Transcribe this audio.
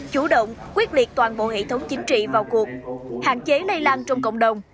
chủ động quyết liệt toàn bộ hệ thống chính trị vào cuộc hạn chế lây lan trong cộng đồng